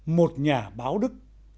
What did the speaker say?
một nhà báo đức